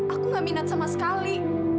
aku gak minat sama sekali